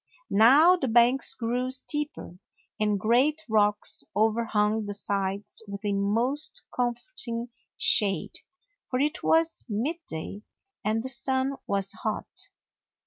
Now the banks grew steeper, and great rocks overhung the sides with a most comfort ing shade, for it was midday and the sun was hot.